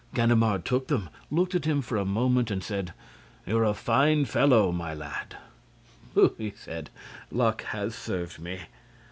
Ganimard took them, looked at him for a moment and said: "You're a fine fellow, my lad!" "Pooh!" he said. "Luck has served me."